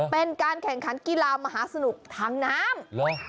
เป็นการแข่งขันกีฬามหาสนุกทางน้ำ